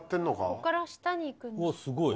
ここから下にいくんだ。